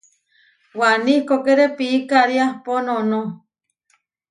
Waní ihkókere pií karí ahopó noʼnó.